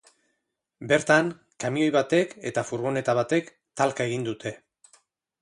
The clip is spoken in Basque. Bertan, kamioi batek eta furgoneta batek talka egin dute.